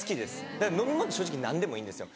だから飲み物正直何でもいいんですよ。